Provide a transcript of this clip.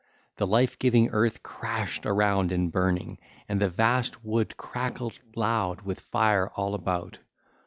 The life giving earth crashed around in burning, and the vast wood crackled loud with fire all about.